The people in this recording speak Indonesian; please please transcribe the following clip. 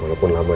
walaupun lama ya